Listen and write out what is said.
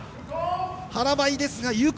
腹ばいですが、有効。